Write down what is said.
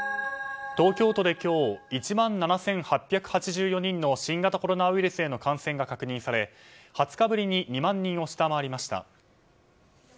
東京都で今日１万７８８４人の新型コロナウイルスへの感染が確認され２０日ぶりに２万人を下回りました。